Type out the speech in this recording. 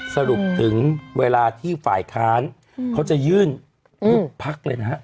สรุปถึงเวลาที่ฝ่ายค้านเขาจะยื่นทุกพักเลยนะฮะ